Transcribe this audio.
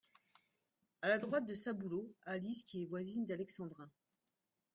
À la droite de Saboulot, Alice qui est voisine d’Alexandrin.